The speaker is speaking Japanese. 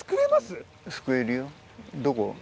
どこ？